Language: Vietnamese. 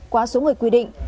quá số người quy định